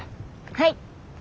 はい。